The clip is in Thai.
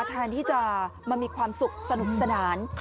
แทนที่จะมามีความสุขสนุกสนาน